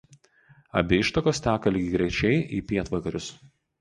Abi ištakos teka lygiagrečiai į pietvakarius.